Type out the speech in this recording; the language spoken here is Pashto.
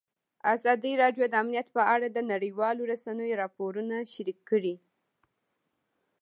ازادي راډیو د امنیت په اړه د نړیوالو رسنیو راپورونه شریک کړي.